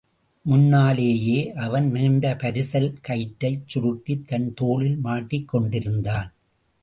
முன்னாலேயே அவன் நீண்ட பரிசல் கயிற்றைச் சுருட்டித் தன் தோளில் மாட்டிக்கொண்டிருந்தான்.